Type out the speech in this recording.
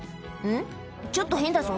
ちょっと変だぞ。